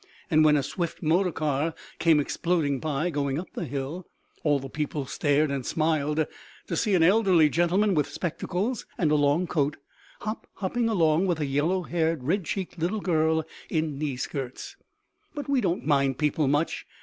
And when a swift motor car came exploding by, going up the hill, all the people stared and smiled to see an elderly gentleman with spectacles and a long coat hop hopping along with a yellow haired red cheeked little girl in knee skirts. But we don't mind people much!